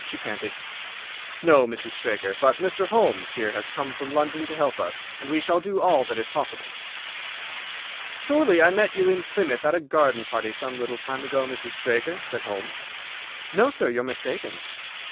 she panted. "No, Mrs. Straker. But Mr. Holmes here has come from London to help us, and we shall do all that is possible." "Surely I met you in Plymouth at a garden party some little time ago, Mrs. Straker?" said Holmes. "No, sir; you are mistaken."